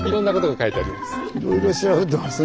いろいろ調べてますね。